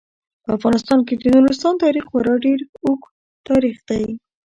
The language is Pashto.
په افغانستان کې د نورستان تاریخ خورا ډیر اوږد تاریخ دی.